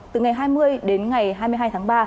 từ ngày hai mươi đến ngày hai mươi hai tháng ba